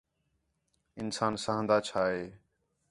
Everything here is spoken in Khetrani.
انسان ساہن٘دا چھا ہے